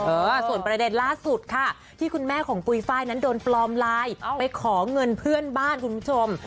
เออส่วนประเด็นล่าสุดค่ะที่คุณแม่ของปุ๋ยไฟล์นั้นโดนปลอมไลน์ไปขอเงินเพื่อนบ้านคุณผู้ชม